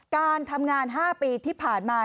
การทำงาน๕ปีที่ผ่านมา